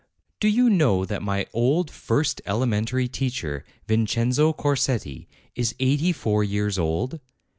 Do you know that my old first elementary teacher, Vin cenzo Crosetti, is eighty four years old?